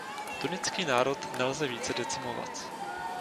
Tuniský národ nelze více decimovat.